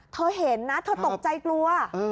เธอเห็นนะเธอตกใจกลัว